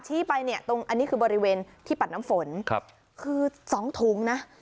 ไปเนี่ยตรงอันนี้คือบริเวณที่ปัดน้ำฝนครับคือสองถุงนะ